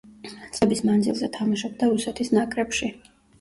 წლების მანძილზე თამაშობდა რუსეთის ნაკრებში.